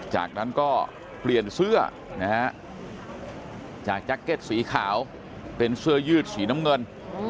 จากนั้นก็เปลี่ยนเสื้อนะฮะจากแจ็คเก็ตสีขาวเป็นเสื้อยืดสีน้ำเงิน